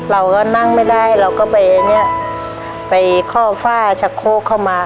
เราก็นั่งไม่ได้เราก็ไปเนี่ยไปข้อฝ้าชะโคกเข้ามา